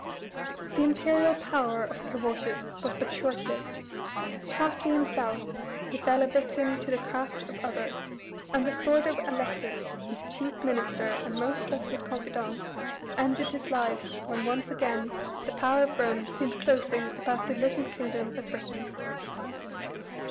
The imperial power of Carausius was but short lived. Crafty himself, he fell a victim to the craft of others, and the sword of Allectus, his chief minister and most trusted confidant, ended his life when once again the power of Rome seemed closing about the little kingdom of Britain.